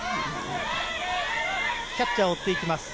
キャッチャー、追っていきます。